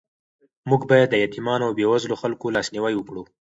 موږ باید د یتیمانو او بېوزلو خلکو لاسنیوی وکړو.